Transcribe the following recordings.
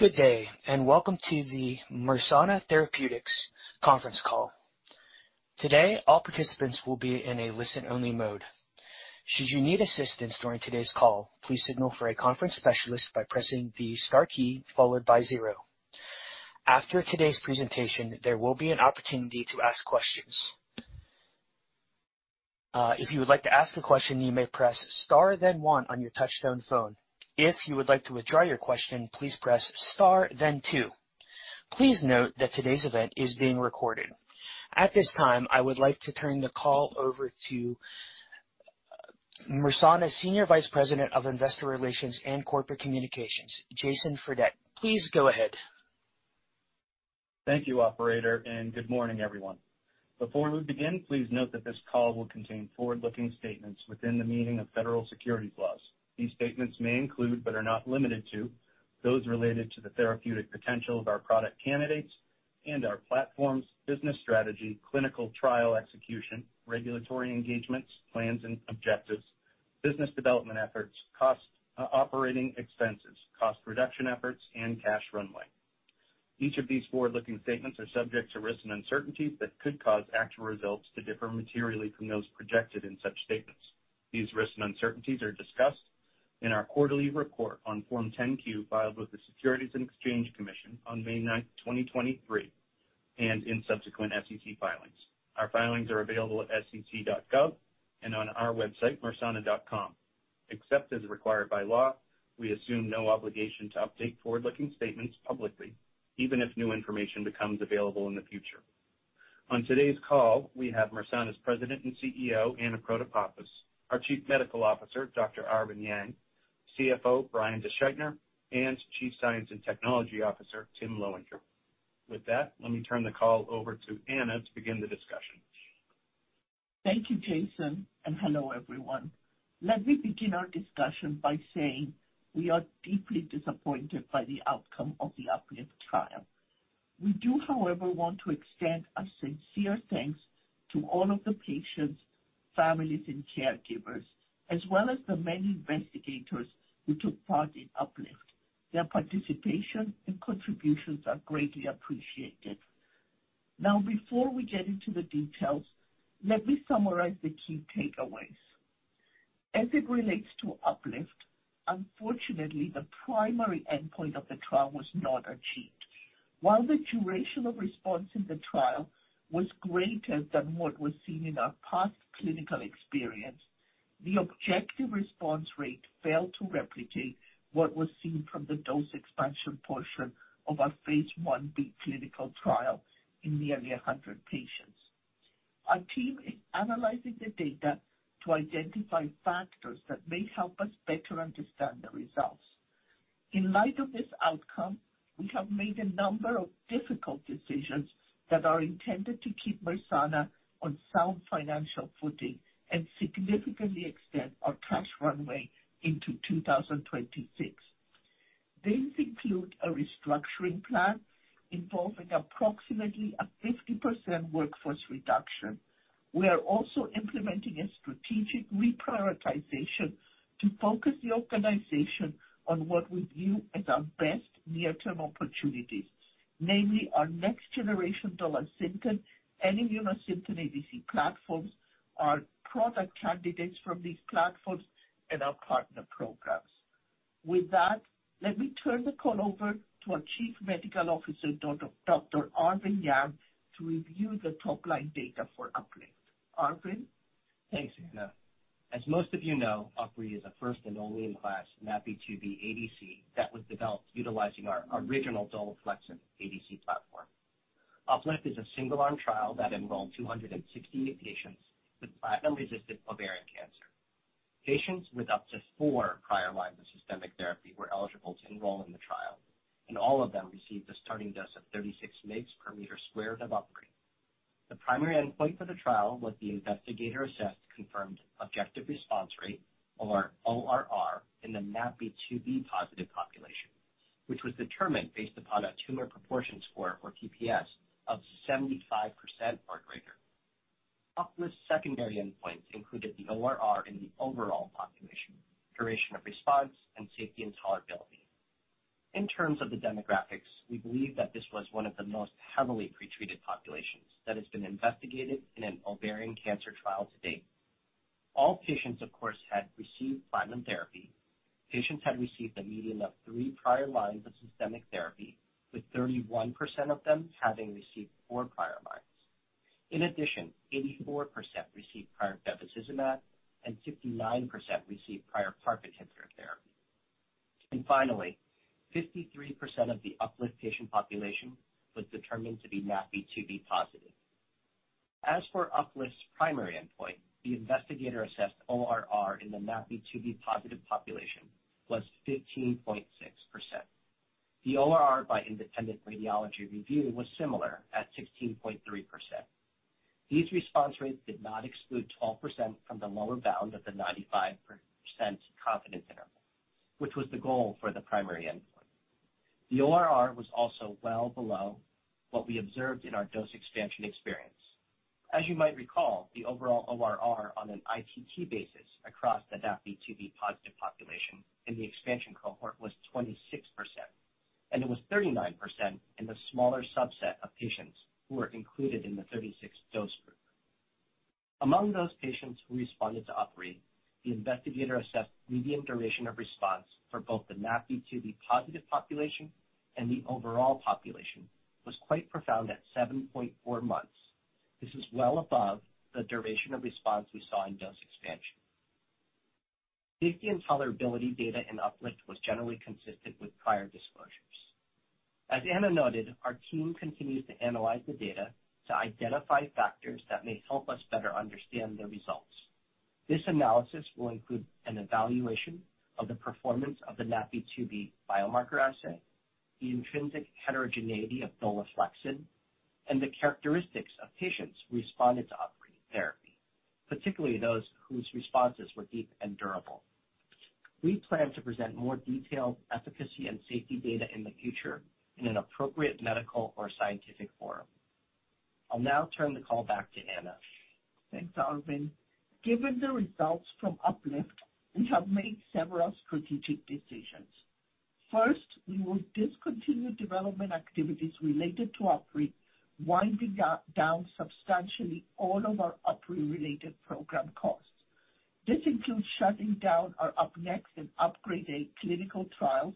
Good day. Welcome to the Mersana Therapeutics conference call. Today, all participants will be in a listen-only mode. Should you need assistance during today's call, please signal for a conference specialist by pressing the star key followed by zero. After today's presentation, there will be an opportunity to ask questions. If you would like to ask a question, you may press star, then one on your touchtone phone. If you would like to withdraw your question, please press star then two. Please note that today's event is being recorded. At this time, I would like to turn the call over to Mersana Senior Vice President of Investor Relations and Corporate Communications, Jason Fredette. Please go ahead. Thank you, operator, and good morning, everyone. Before we begin, please note that this call will contain forward-looking statements within the meaning of federal securities laws. These statements may include, but are not limited to, those related to the therapeutic potential of our product candidates and our platform's business strategy, clinical trial execution, regulatory engagements, plans and objectives, business development efforts, cost, operating expenses, cost reduction efforts, and cash runway. Each of these forward-looking statements are subject to risks and uncertainties that could cause actual results to differ materially from those projected in such statements. These risks and uncertainties are discussed in our quarterly report on Form 10-Q, filed with the Securities and Exchange Commission on May 9, 2023, and in subsequent SEC filings. Our filings are available at sec.gov and on our website, mersana.com. Except as required by law, we assume no obligation to update forward-looking statements publicly, even if new information becomes available in the future. On today's call, we have Mersana's President and CEO, Anna Protopapas, our Chief Medical Officer, Dr. Arvin Yang, CFO, Brian DeSchuytner, and Chief Science and Technology Officer, Timothy Lowinger. With that, let me turn the call over to Anna to begin the discussion. Thank you, Jason. Hello, everyone. Let me begin our discussion by saying we are deeply disappointed by the outcome of the UPLIFT trial. We do, however, want to extend our sincere thanks to all of the patients, families, and caregivers, as well as the many investigators who took part in UPLIFT. Their participation and contributions are greatly appreciated. Before we get into the details, let me summarize the key takeaways. As it relates to UPLIFT, unfortunately, the primary endpoint of the trial was not achieved. While the duration of response in the trial was greater than what was seen in our past clinical experience, the objective response rate failed to replicate what was seen from the dose expansion portion of our phase Ib clinical trial in nearly 100 patients. Our team is analyzing the data to identify factors that may help us better understand the results. In light of this outcome, we have made a number of difficult decisions that are intended to keep Mersana on sound financial footing and significantly extend our cash runway into 2026. These include a restructuring plan involving approximately a 50% workforce reduction. We are also implementing a strategic reprioritization to focus the organization on what we view as our best near-term opportunities, namely our next-generation Dolasynthen and Immunosynthen ADC platforms, our product candidates from these platforms, and our partner programs. Let me turn the call over to our Chief Medical Officer, Dr. Arvin Yang, to review the top-line data for UPLIFT. Arvin? Thanks, Anna. As most of you know, UpRi is a first and only-in-class NaPi2b ADC that was developed utilizing our original Dolaflexin ADC platform. UPLIFT is a single-arm trial that enrolled 268 patients with platinum-resistant ovarian cancer. Patients with up to four prior lines of systemic therapy were eligible to enroll in the trial, and all of them received a starting dose of 36 migs per meter squared of UpRi. The primary endpoint for the trial was the investigator-assessed, confirmed objective response rate, or ORR, in the NaPi2b-positive population, which was determined based upon a tumor proportion score, or TPS, of 75% or greater. UPLIFT's secondary endpoint included the ORR in the overall population, duration of response, and safety and tolerability. In terms of the demographics, we believe that this was one of the most heavily pretreated populations that has been investigated in an ovarian cancer trial to date. All patients, of course, had received platinum therapy. Patients had received a median of 3 prior lines of systemic therapy, with 31% of them having received 4 prior lines. In addition, 84% received prior bevacizumab, and 59% received prior PARP inhibitor therapy. Finally, 53% of the UPLIFT patient population was determined to be NaPi2b positive. As for UPLIFT's primary endpoint, the investigator-assessed ORR in the NaPi2b-positive population was 15.6%. The ORR by independent radiology review was similar at 16.3%. These response rates did not exclude 12% from the lower bound of the 95% confidence interval, which was the goal for the primary endpoint. The ORR was also well below what we observed in our dose expansion experience. You might recall, the overall ORR on an ICT basis across the NaPi2b positive population in the expansion cohort was 26%, and it was 39% in the smaller subset of patients who were included in the 36 dose group. Among those patients who responded to UpRi, the investigator assessed median duration of response for both the NaPi2b positive population and the overall population was quite profound at 7.4 months. This is well above the duration of response we saw in dose expansion. Safety and tolerability data in UPLIFT was generally consistent with prior disclosures. Anna noted, our team continues to analyze the data to identify factors that may help us better understand the results. This analysis will include an evaluation of the performance of the NaPi2b biomarker assay, the intrinsic heterogeneity of Dolaflexin, and the characteristics of patients who responded to UpRi therapy, particularly those whose responses were deep and durable. We plan to present more detailed efficacy and safety data in the future in an appropriate medical or scientific forum. I'll now turn the call back to Anna. Thanks, Arvind. Given the results from UPLIFT, we have made several strategic decisions. First, we will discontinue development activities related to UpRi, winding up down substantially all of our UpRi-related program costs. This includes shutting down our UP-NEXT and UPGRADE clinical trials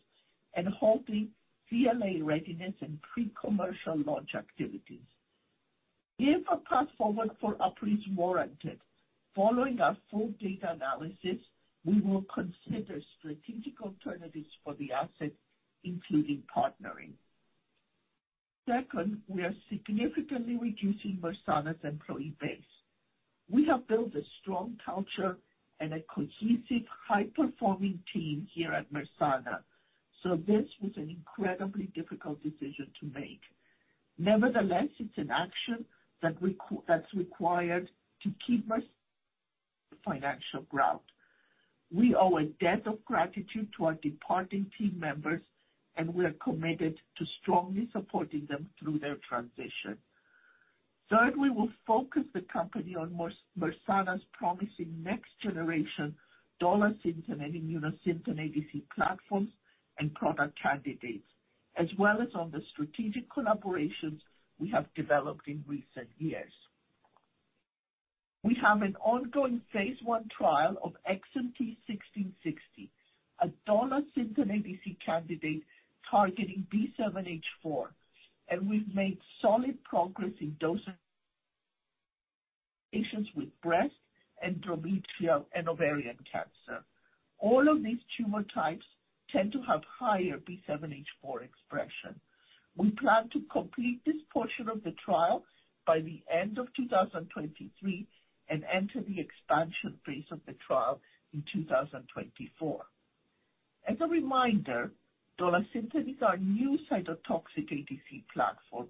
and halting CLA readiness and pre-commercial launch activities. If a path forward for UpRi is warranted, following our full data analysis, we will consider strategic alternatives for the asset, including partnering. Second, we are significantly reducing Mersana's employee base. We have built a strong culture and a cohesive, high-performing team here at Mersana, so this was an incredibly difficult decision to make. Nevertheless, it's an action that's required to keep us financial ground. We owe a debt of gratitude to our departing team members, and we are committed to strongly supporting them through their transition. Third, we will focus the company on Mersana's promising next generation Dolasynthen and Immunosynthen ADC platforms and product candidates, as well as on the strategic collaborations we have developed in recent years. We have an ongoing phase I trial of XMT-1660, a Dolasynthen ADC candidate targeting B7-H4, and we've made solid progress in dosing patients with breast and endometrial and ovarian cancer. All of these tumor types tend to have higher B7-H4 expression. We plan to complete this portion of the trial by the end of 2023 and enter the expansion phase of the trial in 2024. As a reminder, Dolasynthen is our new cytotoxic ADC platform.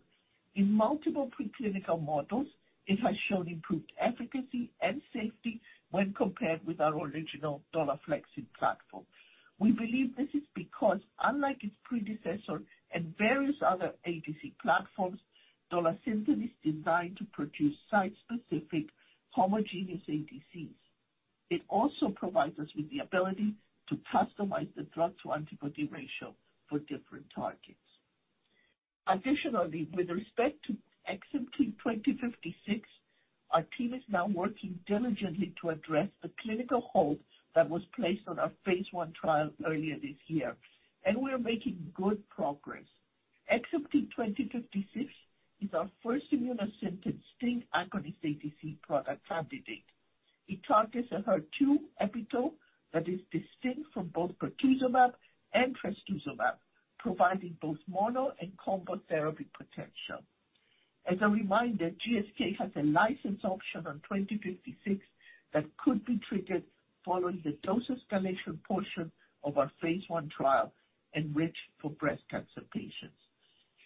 In multiple preclinical models, it has shown improved efficacy and safety when compared with our original Dolaflexin platform. We believe this is because, unlike its predecessor and various other ADC platforms, Dolasynthen is designed to produce site-specific homogeneous ADCs. It also provides us with the ability to customize the drug-to-antibody ratio for different targets. Additionally, with respect to XMT-2056, our team is now working diligently to address the clinical hold that was placed on our phase I trial earlier this year, and we are making good progress. XMT-2056 is our first Immunosynthen STING agonist ADC product candidate. It targets a HER2 epitope that is distinct from both pertuzumab and trastuzumab, providing both mono and combo therapy potential. As a reminder, GSK has a license option on 2056 that could be triggered following the dose escalation portion of our phase I trial, enriched for breast cancer patients.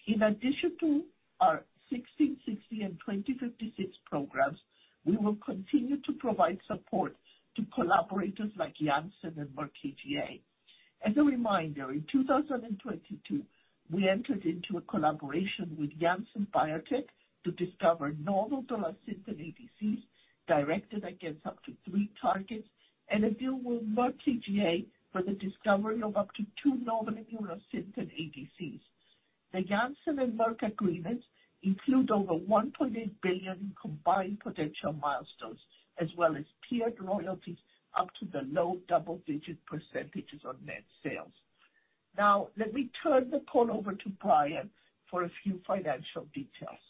In addition to our XMT-1660 and XMT-2056 programs, we will continue to provide support to collaborators like Janssen and Merck VGA. As a reminder, in 2022, we entered into a collaboration with Janssen Biotech to discover novel Dolasynthen ADCs directed against up to three targets and a deal with Merck VGA for the discovery of up to two novel Immunosynthen ADCs. The Janssen and Merck agreements include over $1.8 billion in combined potential milestones, as well as tiered royalties up to the low double-digit % on net sales. Let me turn the call over to Brian for a few financial details.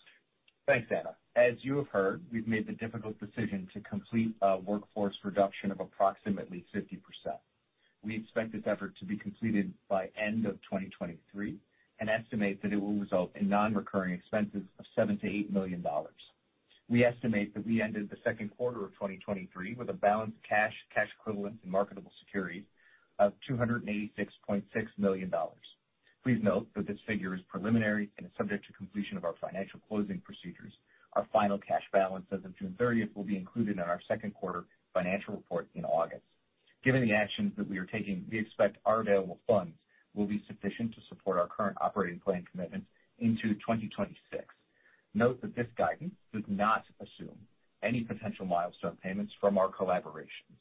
Thanks, Anna. As you have heard, we've made the difficult decision to complete a workforce reduction of approximately 50%. We expect this effort to be completed by end of 2023 and estimate that it will result in non-recurring expenses of $7 million to 8 million. We estimate that we ended the Q2 of 2023 with a balanced cash equivalent, and marketable security of $286.6 million. Please note that this figure is preliminary and is subject to completion of our financial closing procedures. Our final cash balance as of June thirtieth will be included in our Q2 financial report in August. Given the actions that we are taking, we expect our available funds will be sufficient to support our current operating plan commitments into 2026. Note that this guidance does not assume any potential milestone payments from our collaborations.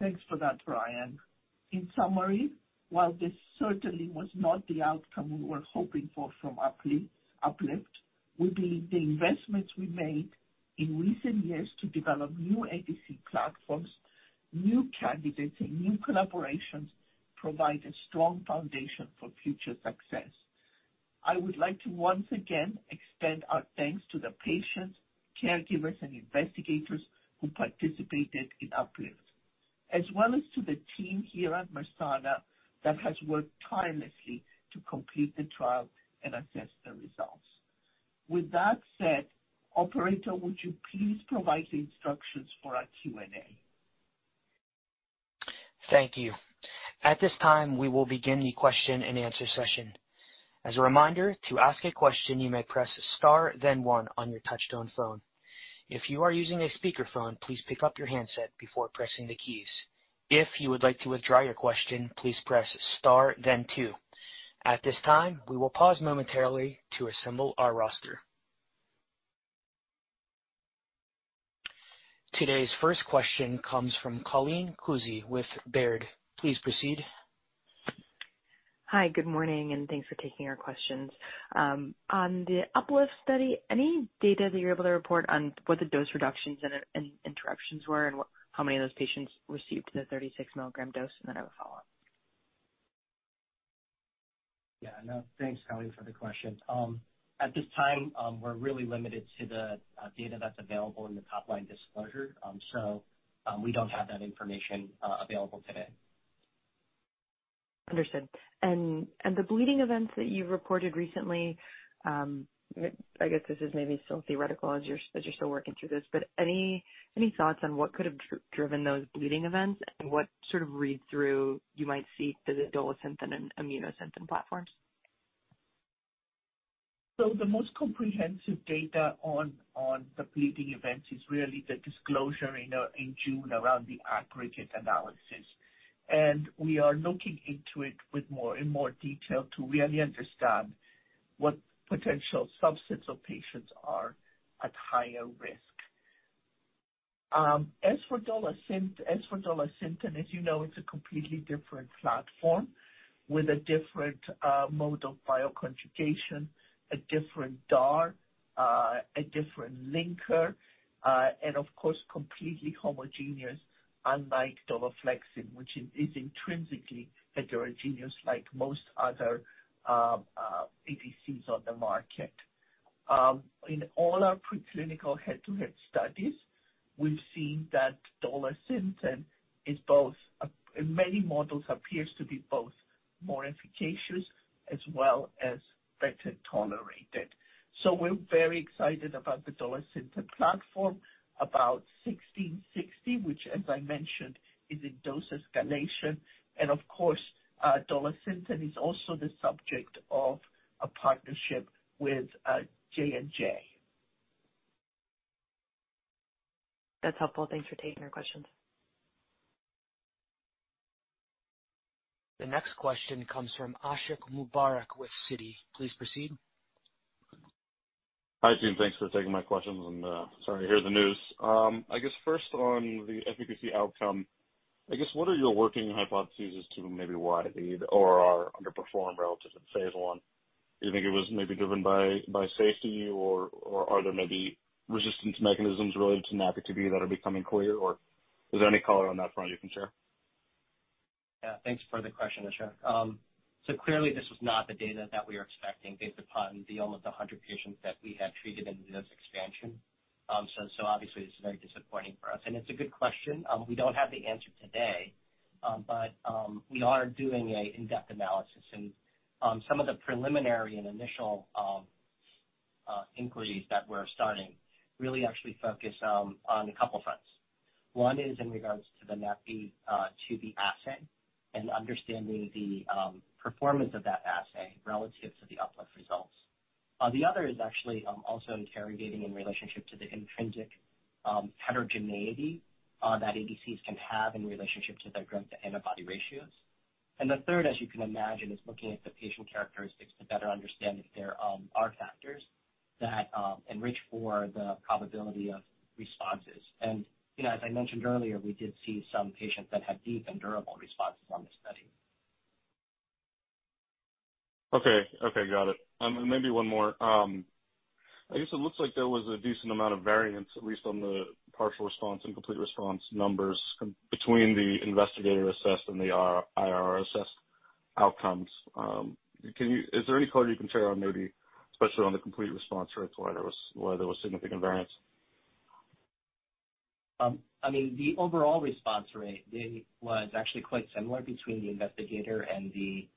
Thanks for that, Brian. In summary, while this certainly was not the outcome we were hoping for from UPLIFT, we believe the investments we made in recent years to develop new ADC platforms, new candidates, and new collaborations provide a strong foundation for future success. I would like to once again extend our thanks to the patients, caregivers, and investigators who participated in UPLIFT, as well as to the team here at Mersana that has worked tirelessly to complete the trial and assess the results. With that said, operator, would you please provide the instructions for our Q&A? Thank you. At this time, we will begin the question-and-answer session. As a reminder, to ask a question, you may press star then one on your touchtone phone. If you are using a speakerphone, please pick up your handset before pressing the keys. If you would like to withdraw your question, please press star then two. At this time, we will pause momentarily to assemble our roster. Today's first question comes from Colleen Kusy with Baird. Please proceed. Hi, good morning, and thanks for taking our questions. On the UPLIFT study, any data that you're able to report on what the dose reductions and interruptions were, how many of those patients received the 36 milligram dose? I have a follow-up. Yeah, no. Thanks, Colleen, for the question. At this time, we're really limited to the data that's available in the top-line disclosure. We don't have that information available today. Understood. The bleeding events that you reported recently, I guess this is maybe still theoretical, as you're still working through this, but any thoughts on what could have driven those bleeding events and what sort of read-through you might see for the Dolasynthen and Immunosynthen platforms? The most comprehensive data on the bleeding events is really the disclosure in June around the aggregate analysis. We are looking into it with more and more detail to really understand what potential subsets of patients are at higher risk. As for Dolasynthen, as you know, it's a completely different platform with a different mode of bioconjugation, a different DAR, a different linker, and of course, completely homogeneous unlike Dolaflexin, which is intrinsically heterogeneous like most other ADCs on the market. In all our preclinical head-to-head studies, we've seen that Dolasynthen is both in many models, appears to be both more efficacious as well as better tolerated. We're very excited about the Dolasynthen platform, about 1660, which, as I mentioned, is in dose escalation. Of course, Dolasynthen is also the subject of a partnership with J&J. That's helpful. Thanks for taking our questions. The next question comes from Ashiq Mubarack with Citi. Please proceed. Hi, team. Thanks for taking my questions. Sorry to hear the news. I guess, first, on the efficacy outcome, I guess, what are your working hypotheses as to maybe why the ORR underperformed relative to phase I? Do you think it was maybe driven by safety, or are there maybe resistance mechanisms related to NaPi2b that are becoming clear, or is there any color on that front you can share? Yeah, thanks for the question, Ashiq. Clearly this was not the data that we were expecting based upon the almost 100 patients that we had treated in this expansion. So obviously this is very disappointing for us, and it's a good question. We don't have the answer today, but we are doing a in-depth analysis. Some of the preliminary and initial inquiries that we're starting really actually focus on a couple fronts. One is in regards to the NaPi2b to the assay, and understanding the performance of that assay relative to the UPLIFT results. The other is actually also interrogating in relationship to the intrinsic heterogeneity that ADCs can have in relationship to their drug-to-antibody ratios. The third, as you can imagine, is looking at the patient characteristics to better understand if there are factors that enrich for the probability of responses. You know, as I mentioned earlier, we did see some patients that had deep and durable responses on this study. Okay. Okay, got it. Maybe one more. I guess it looks like there was a decent amount of variance, at least on the partial response and complete response numbers, between the investigator assessed and the IR, IRR assessed outcomes. Is there any color you can share on maybe, especially on the complete response rates, why there was significant variance? I mean, the overall response rate was actually quite similar between the investigator and the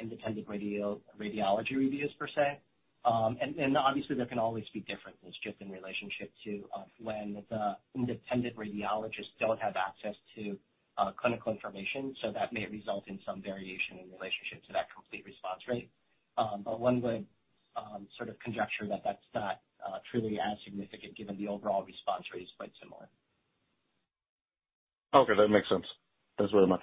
independent radiology reviews, per se. Obviously, there can always be differences just in relationship to when the independent radiologists don't have access to clinical information, so that may result in some variation in relationship to that complete response rate. One way sort of conjecture that's not truly as significant given the overall response rate is quite similar. Okay, that makes sense. Thanks very much.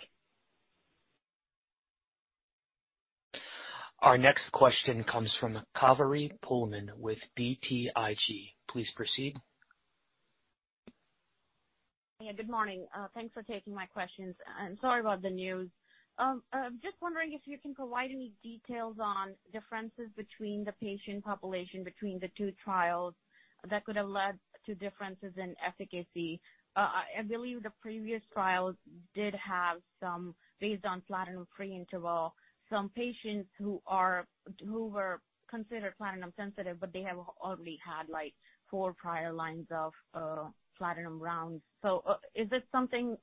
Our next question comes from Kaveri Pohlman, with BTIG. Please proceed. Good morning. Thanks for taking my questions. Sorry about the news. Just wondering if you can provide any details on differences between the patient population between the two trials that could have led to differences in efficacy? I believe the previous trials did have some, based on platinum-free interval, some patients who were considered platinum sensitive, but they have already had, like, four prior lines of platinum rounds. Is this something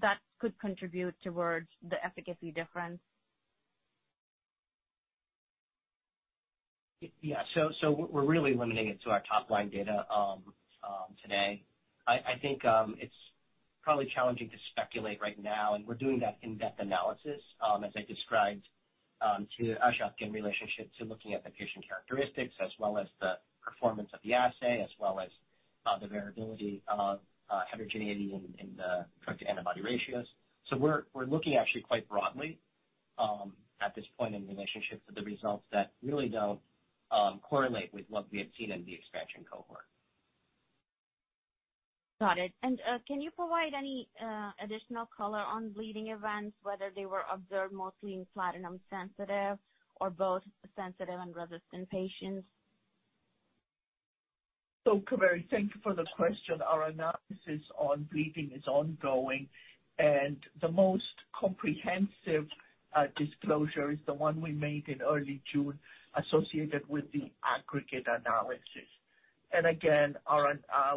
that could contribute towards the efficacy difference? Yeah. We're really limiting it to our top line data today. I think it's probably challenging to speculate right now, and we're doing that in-depth analysis as I described to Ashok, in relationship to looking at the patient characteristics, as well as the performance of the assay, as well as the variability of heterogeneity in the drug-to-antibody ratios. We're looking actually quite broadly at this point in the relationship to the results that really don't correlate with what we have seen in the expansion cohort. Got it. Can you provide any additional color on bleeding events, whether they were observed mostly in platinum sensitive or both sensitive and resistant patients? Kaveri, thank you for the question. Our analysis on bleeding is ongoing, and the most comprehensive disclosure is the one we made in early June, associated with the aggregate analysis. Again,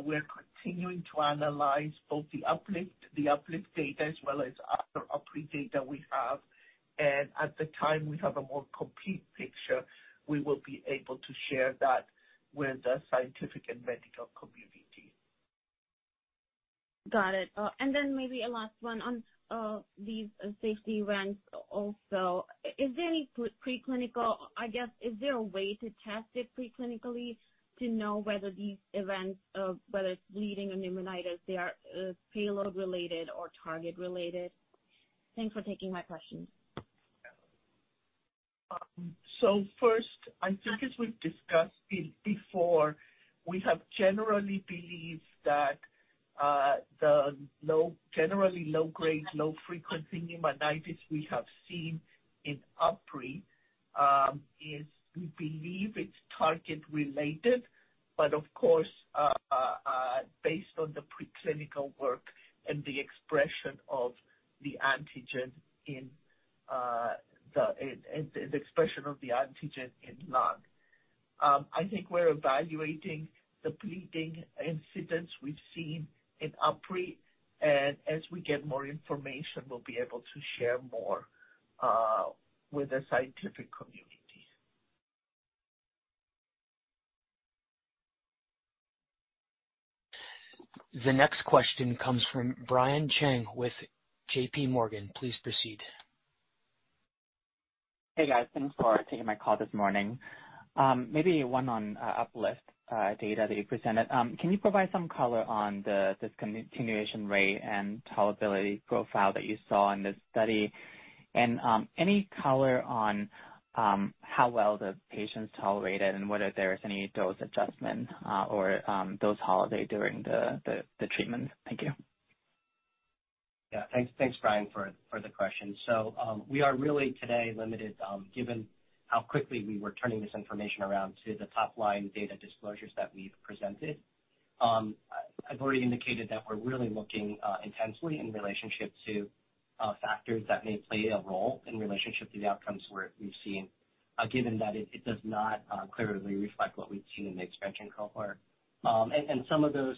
we're continuing to analyze both the UPLIFT data, as well as other UpRi data we have, and at the time we have a more complete picture, we will be able to share that with the scientific and medical community. Got it. Then maybe a last one on these safety events also. I guess, is there a way to test it preclinically to know whether these events, whether it's bleeding or pneumonitis, they are payload related or target related? Thanks for taking my questions. First, I think as we've discussed before, we have generally believed that generally low grade, low frequency pneumonitis we have seen in UpRi is we believe it's target related. Of course, based on the preclinical work and the expression of the antigen in lung. I think we're evaluating the bleeding incidents we've seen in UpRi, and as we get more information, we'll be able to share more with the scientific community. The next question comes from Brian Cheng with J.P. Morgan. Please proceed. Hey, guys. Thanks for taking my call this morning. Maybe one on UPLIFT data that you presented. Can you provide some color on the discontinuation rate and tolerability profile that you saw in this study? Any color on how well the patients tolerated and whether there is any dose adjustment or dose holiday during the treatment? Thank you. Thanks. Thanks, Brian, for the question. We are really today limited, given how quickly we were turning this information around to the top line data disclosures that we've presented. I've already indicated that we're really looking intensely in relationship to factors that may play a role in relationship to the outcomes where we've seen, given that it does not clearly reflect what we've seen in the expansion cohort. Some of those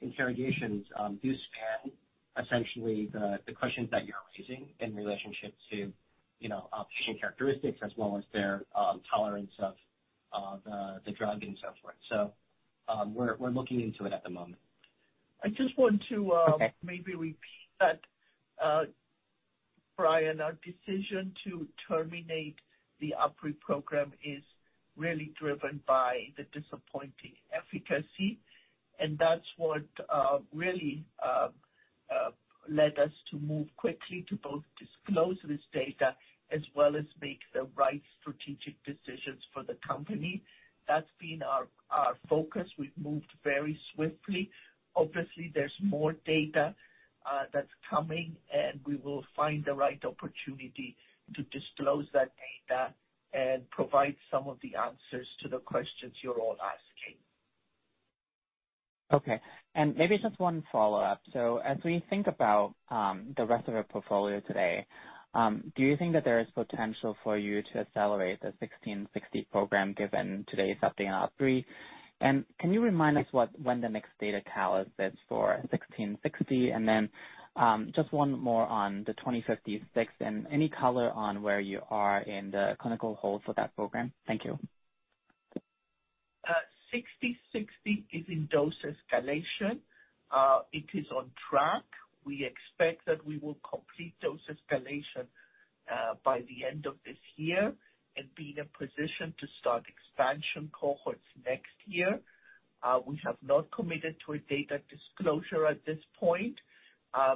interrogations do span essentially the questions that you're raising in relationship to, you know, patient characteristics as well as their tolerance of the drug and so forth. We're looking into it at the moment. I just want to. Okay maybe repeat that, Brian, our decision to terminate the UpRi program is really driven by the disappointing efficacy, and that's what really led us to move quickly to both disclose this data as well as make the right strategic decisions for the company. That's been our focus. We've moved very swiftly. Obviously, there's more data that's coming, and we will find the right opportunity to disclose that data and provide some of the answers to the questions you're all asking. Okay. Maybe just one follow-up. As we think about the rest of our portfolio today, do you think that there is potential for you to accelerate the XMT-1660 program, given today's update on UpRi? Can you remind us what, when the next data count is for XMT-1660? Then just one more on the XMT-2056, and any color on where you are in the clinical hold for that program? Thank you. 60-60 is in dose escalation. It is on track. We expect that we will complete dose escalation by the end of this year and be in a position to start expansion cohorts next year. We have not committed to a data disclosure at this point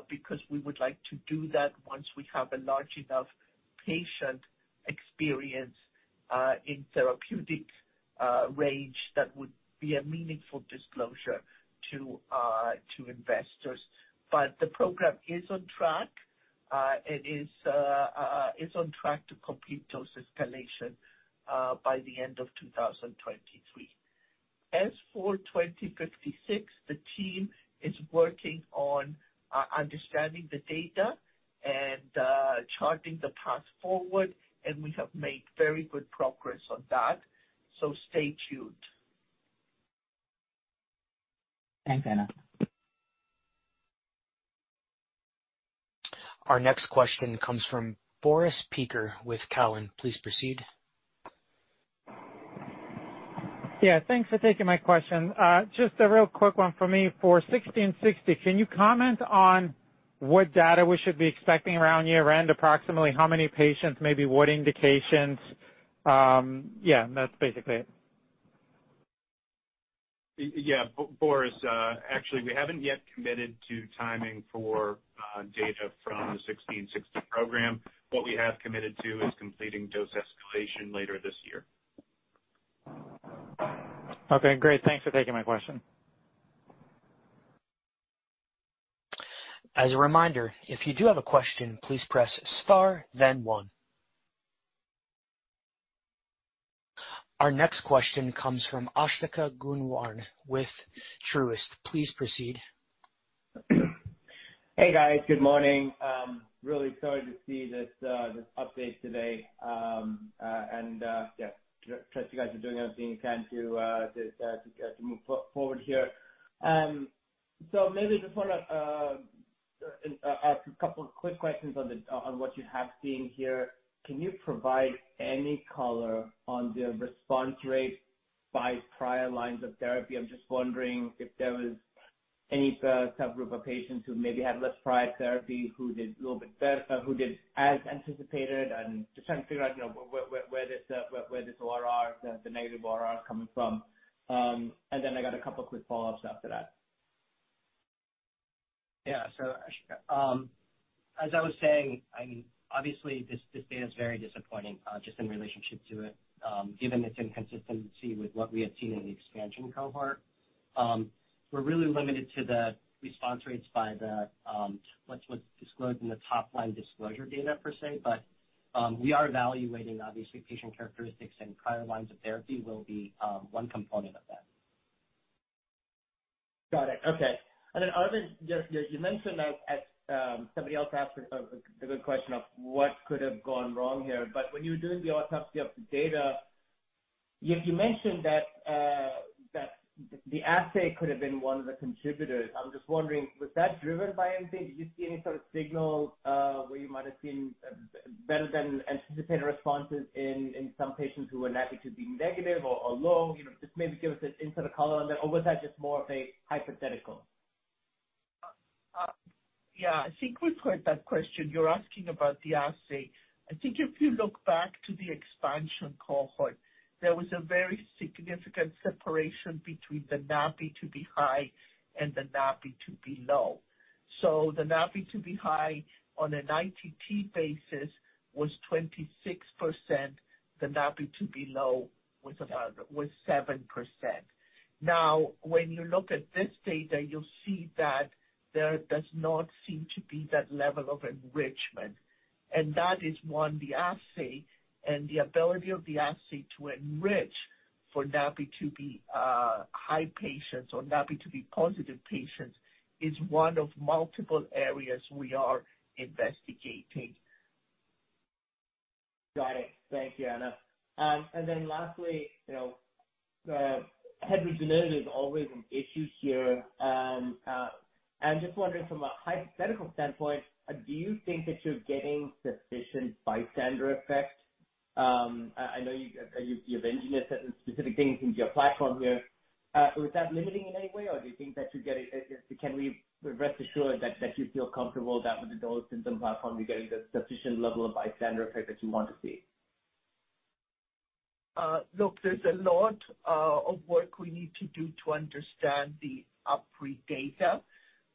because we would like to do that once we have a large enough patient experience in therapeutic range, that would be a meaningful disclosure to investors. The program is on track and is on track to complete dose escalation by the end of 2023. For 2056, the team is working on understanding the data and charting the path forward, and we have made very good progress on that. Stay tuned. Thanks, Anna. Our next question comes from Boris Peaker with Cowen. Please proceed. Yeah, thanks for taking my question. Just a real quick one for me. For XMT-1660, can you comment on what data we should be expecting around year-end? Approximately how many patients, maybe what indications? Yeah, that's basically it. yeah, Boris, actually, we haven't yet committed to timing for data from the XMT-1660 program. What we have committed to is completing dose escalation later this year. Okay, great. Thanks for taking my question. As a reminder, if you do have a question, please press star then one. Our next question comes from Asthika Goonewardene with Truist Securities. Please proceed. Hey, guys. Good morning. Really excited to see this update today. Yeah, trust you guys are doing everything you can to move forward here. Maybe just want to a couple of quick questions on what you have seen here. Can you provide any color on the response rate by prior lines of therapy? I'm just wondering if there was any subgroup of patients who maybe had less prior therapy, who did a little bit better, who did as anticipated, and just trying to figure out, you know, where this, where this ORR, the negative ORR is coming from. Then I got a couple quick follow-ups after that. Yeah. Asthika, as I was saying, I mean, obviously, this data is very disappointing, just in relationship to it, given its inconsistency with what we had seen in the expansion cohort. We're really limited to the response rates by the, what's disclosed in the top-line disclosure data per se. We are evaluating, obviously, patient characteristics, and prior lines of therapy will be, one component of that. Got it. Okay. Are the... You mentioned, like, at, somebody else asked a good question of what could have gone wrong here, but when you were doing the autopsy of the data, you mentioned that the assay could have been one of the contributors. I'm just wondering, was that driven by anything? Did you see any sort of signal where you might have seen better than anticipated responses in some patients who were NaPi2b negative or low? You know, just maybe give us an insight of color on that, or was that just more of a hypothetical? Yeah, I think we've heard that question. You're asking about the assay. I think if you look back to the expansion cohort, there was a very significant separation between the NaPi2b high and the NaPi2b low. The NaPi2b high on an ITT basis was 26%, the NaPi2b low was 7%. When you look at this data, you'll see that there does not seem to be that level of enrichment, and that is one, the assay and the ability of the assay to enrich for NaPi2b high patients or NaPi2b positive patients, is one of multiple areas we are investigating. Got it. Thank you, Anna. Lastly, you know, heterogeneity is always an issue here. I'm just wondering from a hypothetical standpoint, do you think that you're getting sufficient bystander effect? I know you've engineered certain specific things into your platform here. Is that limiting in any way, or do you think that you're getting, can we rest assured that you feel comfortable that with the Dolasynthen platform, you're getting the sufficient level of bystander effect that you want to see? Look, there's a lot of work we need to do to understand the upfront data.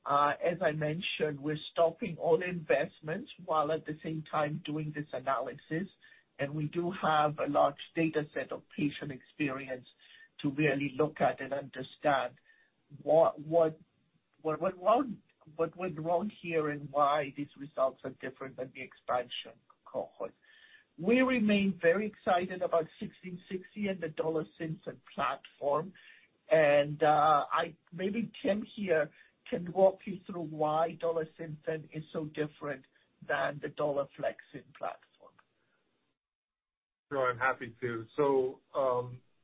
As I mentioned, we're stopping all investments while at the same time doing this analysis, and we do have a large data set of patient experience to really look at and understand what went wrong here and why these results are different than the expansion cohort. We remain very excited about XMT-1660 and the Dolasynthen platform, and maybe Tim here can walk you through why Dolasynthen is so different than the Dolaflexin platform. Sure, I'm happy to.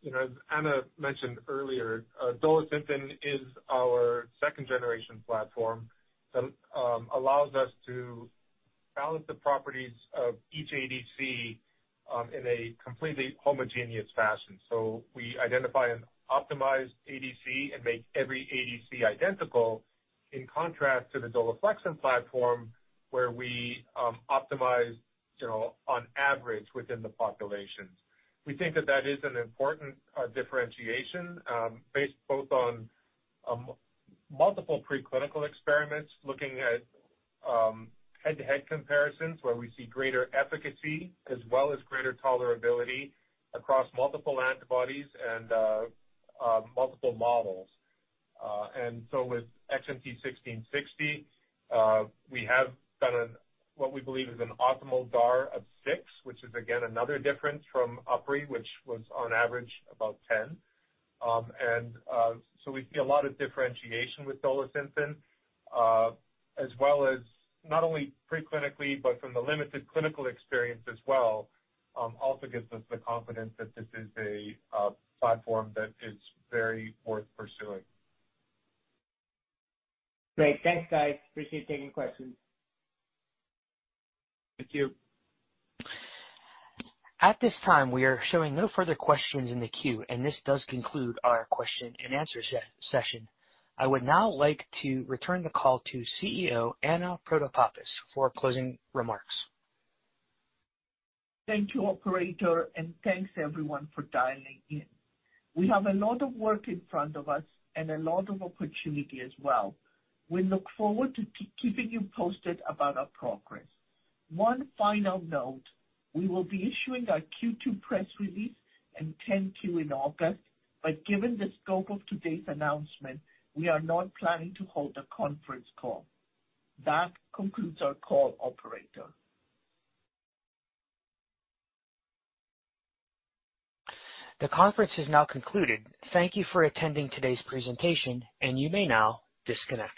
You know, as Anna mentioned earlier, Dolasynthen is our second-generation platform that allows us to... balance the properties of each ADC, in a completely homogeneous fashion. We identify an optimized ADC and make every ADC identical, in contrast to the Dolaflexin platform, where we optimize, you know, on average within the population. We think that that is an important differentiation, based both on multiple preclinical experiments, looking at head-to-head comparisons, where we see greater efficacy as well as greater tolerability across multiple antibodies and multiple models. With XMT-1660, we have done what we believe is an optimal DAR of 6, which is, again, another difference from UpRi, which was on average 10. We see a lot of differentiation with Dolasynthen as well as not only preclinically, but from the limited clinical experience as well, also gives us the confidence that this is a platform that is very worth pursuing. Great. Thanks, guys. Appreciate taking questions. Thank you. At this time, we are showing no further questions in the queue. This does conclude our question-and-answer session. I would now like to return the call to CEO Anna Protopapas for closing remarks. Thank you, operator. Thanks, everyone, for dialing in. We have a lot of work in front of us and a lot of opportunity as well. We look forward to keeping you posted about our progress. One final note: We will be issuing our Q2 press release and Form 10-Q in August. Given the scope of today's announcement, we are not planning to hold a conference call. That concludes our call, operator. The conference is now concluded. Thank you for attending today's presentation. You may now disconnect.